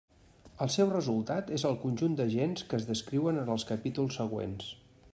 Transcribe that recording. El seu resultat és el conjunt d'agents que es descriuen en els capítols següents.